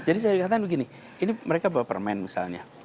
jadi saya katakan begini ini mereka bawa permen misalnya